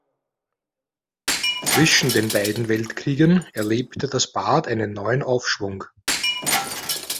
Zwischen den beiden Weltkriegen erlebte das Bad einen neuen Aufschwung.